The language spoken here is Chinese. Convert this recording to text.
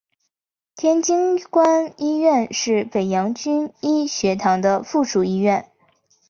天津官医院是北洋军医学堂的附属医院。